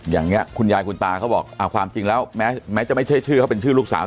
อย่างนี้คุณยายคุณตาเขาบอกความจริงแล้วแม้จะไม่ใช่ชื่อเขาเป็นชื่อลูกสาว